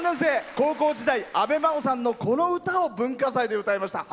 高校時代、阿部真央さんのこの歌を文化祭で歌いました。